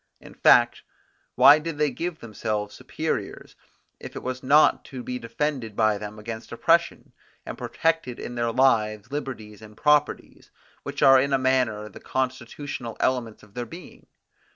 In fact, why did they give themselves superiors, if it was not to be defended by them against oppression, and protected in their lives, liberties, and properties, which are in a manner the constitutional elements of their being?